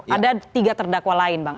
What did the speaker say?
ada tiga terdakwa lain bang